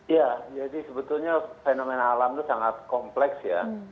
ya jadi sebetulnya fenomena alam itu sangat kompleks ya